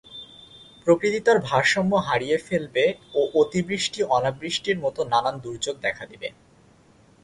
প্রকৃতি তার ভারসাম্য হারিয়ে ফেলবে ও অতিবৃষ্টি অনাবৃষ্টির মতো নানান দুর্যোগ দেখা দিবে।